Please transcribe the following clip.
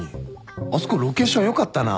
あそこロケーション良かったな。